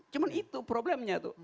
cuma itu problemnya tuh